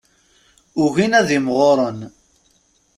Ugin ad imɣuren.